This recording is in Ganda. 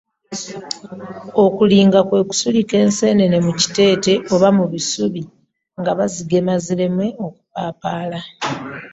Okulinga kwe kusulika enseenene mu kiteete oba mu bisubi nga bazigema zireme kupaala.